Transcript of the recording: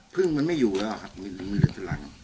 พึ่งมันไม่อยู่แล้วครับมันเหลือแต่หลัง